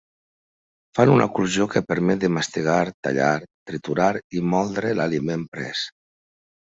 Fan una oclusió que permet de mastegar, tallar, triturar i moldre l'aliment pres.